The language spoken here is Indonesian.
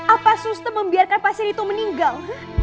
apa sistem membiarkan pasien itu meninggal